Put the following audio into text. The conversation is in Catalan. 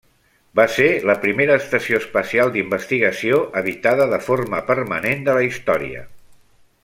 Va ser la primera estació espacial d'investigació habitada de forma permanent de la història.